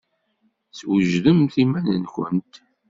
Swejdemt iman-nwent.